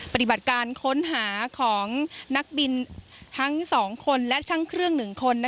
ปฏิบัติการค้นหาของนักบินทั้งสองคนและทั้งเครื่องหนึ่งคน